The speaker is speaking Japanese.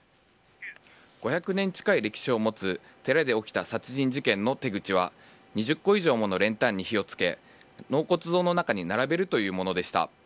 ５００年近い歴史を持つ寺で起きた殺人事件の手口は２０個以上もの練炭に火を付け納骨堂の中に並べるというものでした。